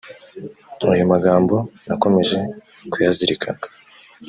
ayo magambo nakomeje kuyazirikana